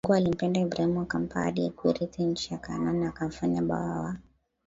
Mungu alimpenda Ibrahimu akampa ahadi ya kuirithi nchi ya Kaanani na akamfanya Baba wa